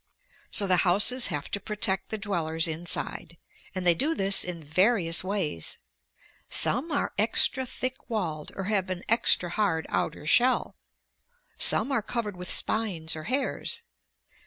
So the houses have to protect the dwellers inside, and they do this in various ways. Some are extra thick walled or have an extra hard outer shell. Some are covered with spines or hairs.